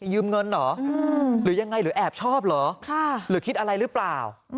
ยืมเงินเหรอหรือยังไงหรือแอบชอบเหรอหรือคิดอะไรหรือเปล่า